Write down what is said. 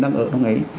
đang ở trong ấy